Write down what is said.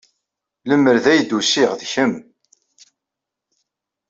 Lemmer d ay d-usiɣ d kemm.